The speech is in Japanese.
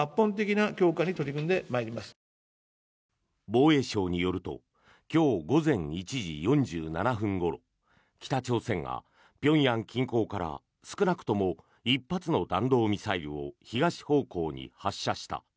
防衛省によると今日午前１時４７分ごろ北朝鮮が平壌近郊から少なくとも１発の弾道ミサイルを東方向に発射した。